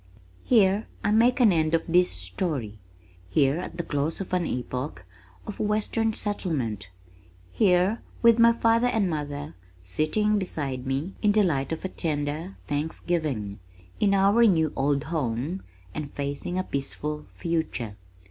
Here I make an end of this story, here at the close of an epoch of western settlement, here with my father and mother sitting beside me in the light of a tender Thanksgiving, in our new old home and facing a peaceful future.